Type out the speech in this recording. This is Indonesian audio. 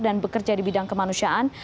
dan bekerja di bidang kemanusiaan